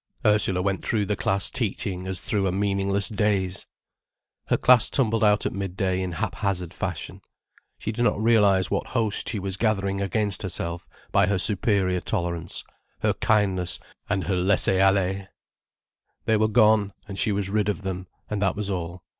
Ursula went through the class teaching as through a meaningless daze. Her class tumbled out at midday in haphazard fashion. She did not realize what host she was gathering against herself by her superior tolerance, her kindness and her laisser aller. They were gone, and she was rid of them, and that was all.